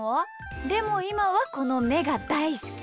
でもいまはこのめがだいすき！